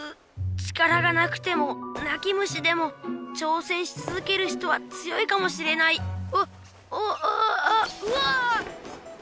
力がなくてもなき虫でもちょうせんしつづける人は強いかもしれないわっおっああうわ！